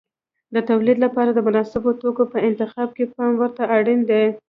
د تولید لپاره د مناسبو توکو په انتخاب کې پام ورته اړین دی.